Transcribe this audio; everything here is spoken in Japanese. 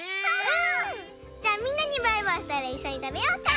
じゃあみんなにバイバイしたらいっしょにたべようか！